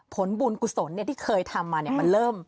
ผลบุญกุศลที่เคยทำมามันเริ่ม